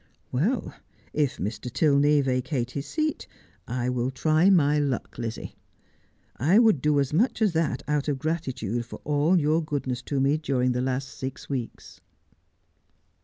'Well, if Mr. Tilney vacate his seat I will try my luck, Lizzie. I would do as much as that out of gratitude for all your goodness to me during the last six weeks.'